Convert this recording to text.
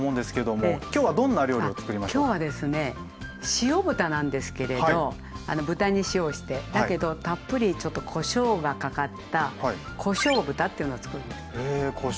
塩豚なんですけれど豚に塩をしてだけどたっぷりちょっとこしょうがかかった「こしょう豚」っていうのをつくるんです。へこしょう豚。